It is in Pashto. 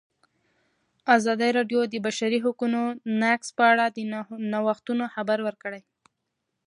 ازادي راډیو د د بشري حقونو نقض په اړه د نوښتونو خبر ورکړی.